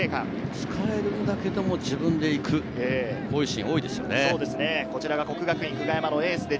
つかえるんだけども、自分で行く、こういうシーンが多いですね。